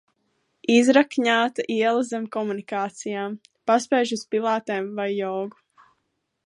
Izrakņāta iela zem komunikācijām. Paspēšu uz pilatēm vai jogu.